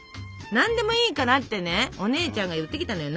「何でもいいから」ってねお姉ちゃんが言ってきたのよ。